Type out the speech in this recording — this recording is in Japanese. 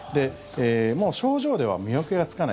もう症状では見分けがつかない。